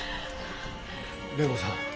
蓮子さん